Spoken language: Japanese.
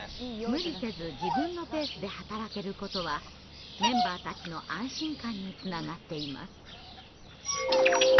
無理せず自分のペースで働けることはメンバーたちの安心感につながっています。